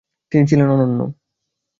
তিনি ছিলেন অনন্য।